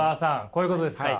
こういうことですか？